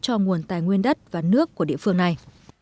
cho nguồn tài nguyên đất và nước của địa phương này